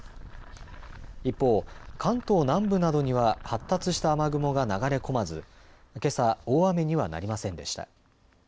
一方、関東南部などには発達した雨雲が流れ込まずけさ、大雨にはなりませんでした。